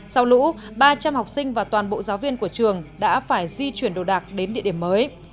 sau lũ ba trăm linh học sinh và toàn bộ giáo viên của trường đã phải di chuyển đồ đạc đến địa điểm mới